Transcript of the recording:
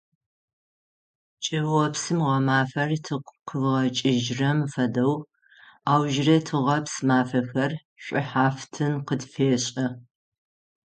Чӏыопсым гъэмафэр тыгу къыгъэкӏыжьрэм фэдэу аужрэ тыгъэпс мафэхэр шӏухьафтын къытфешӏы.